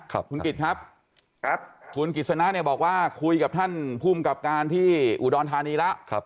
คุณกิจครับคุณกิจสนะเนี่ยบอกว่าคุยกับท่านภูมิกับการที่อุดรธานีแล้ว